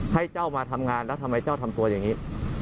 ให้เจ้ามาทำงานแล้วทำไมเจ้าทำตัวอย่างนี้